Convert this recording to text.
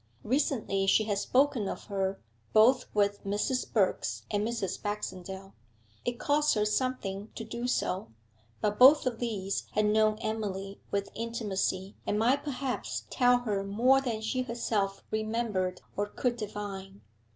Recently she had spoken of her both with Mrs. Birks and Mrs. Baxendale; it cost her something to do so, but both of these had known Emily with intimacy, and might perhaps tell her more than she herself remembered or could divine.